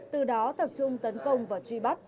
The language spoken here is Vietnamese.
từ đó tập trung tấn công và truy bắt